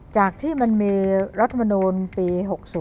จากที่มันมีรัฐมนูลปี๖๐